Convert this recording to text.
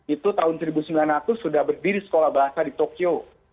itu tahun seribu sembilan ratus sudah berdiri sekolah bahasa di tokyo